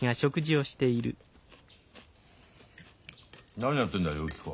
何やってんだゆき子は。